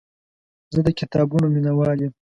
زه د کتابونو مینهوال یم.